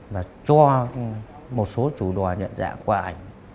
và cho một số chủ đồ nhận dạng qua ảnh